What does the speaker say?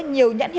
nhiều nhãn hiệu